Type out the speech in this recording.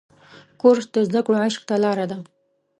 کورس د زده کړو عشق ته لاره ده.